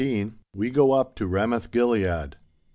WE GO UP TO RAMOTH GILEAD.